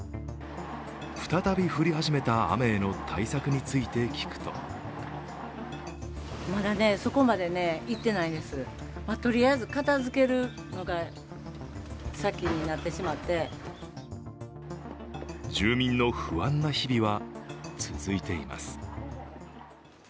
再び降り始めた雨への対策について聞くと住民の不安な日々は続いています。